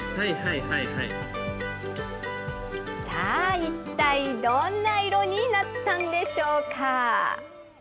さあ、一体どんな色になったんでしょうか。